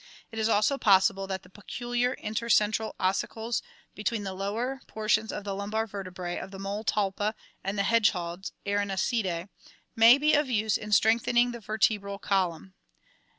It is also pos sible that the peculiar intercentral ossicles between the lower por tions of the lumbar vertebrae of the mole Talpa and the hedgehogs (Erinaceidae) may be of use in strengthening the vertebral column.